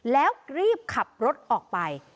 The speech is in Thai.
แล้วรีบขับรถออกไป